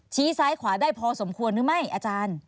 ซ้ายขวาได้พอสมควรหรือไม่อาจารย์